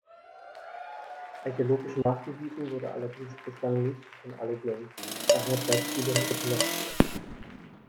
Archäologisch nachgewiesen wurde allerdings bislang nichts von alledem, daher bleibt vieles Spekulation.